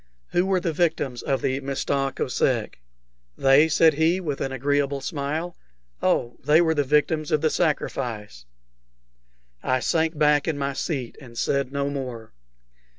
"Who were the victims of the Mista Kosek?" "They?" said he, with an agreeable smile. "Oh, they were the victims of the sacrifice." I sank back in my seat, and said no more.